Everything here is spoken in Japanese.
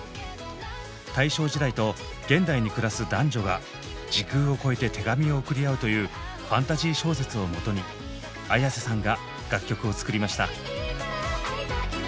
大正時代と現代に暮らす男女が時空を超えて手紙を送り合うというファンタジー小説をもとにＡｙａｓｅさんが楽曲を作りました。